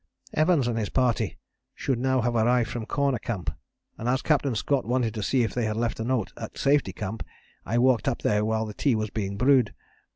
"Evans and his party should now have arrived from Corner Camp, and as Captain Scott wanted to see if they had left a note at Safety Camp, I walked up there while the tea was being brewed.